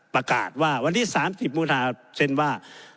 ประกาศว่าวันที่๓๐มูทาเซ็นว่า